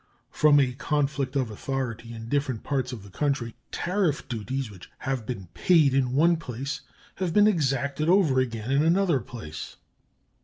From a conflict of authority in different parts of the country tariff duties which have been paid in one place have been exacted over again in another place.